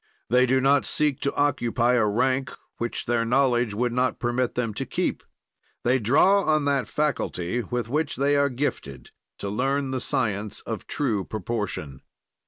"They do not seek to occupy a rank which their knowledge would not permit them to keep; they draw on that faculty with which they are gifted to learn the science of true proportion.